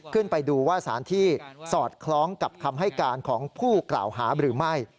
ขึ้นไปดูว่าสารที่สอดคล้องกับคำให้การของผู้กล่าวหาหรือไม่